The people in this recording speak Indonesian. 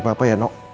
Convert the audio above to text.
dengar papa ya no